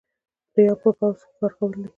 دریم په پوځ کې کار کول دي.